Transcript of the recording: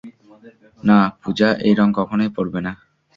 না, পূজা এই রং কখনই পরবে না।